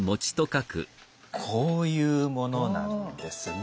こういうものなんですね。